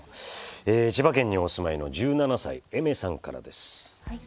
千葉県にお住まいの１７歳えめさんからです。